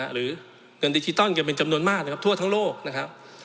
หรือเงินดิจิตอลกันเป็นจำนวนมากนะครับทั่วทั้งโลกนะครับ